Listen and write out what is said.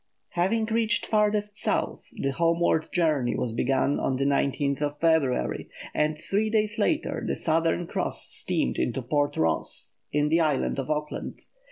Having reached "farthest South," the homeward journey was begun on February 19, and three days later the Southern Cross steamed into Port Ross, in the Island of Auckland.